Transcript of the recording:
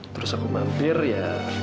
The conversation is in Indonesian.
terus aku mampir ya